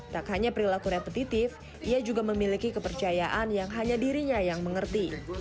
tak hanya perilaku repetitif ia juga memiliki kepercayaan yang hanya dirinya yang mengerti